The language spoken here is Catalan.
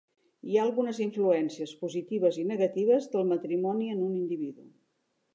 Hi ha algunes influències positives i negatives del matrimoni en un individu.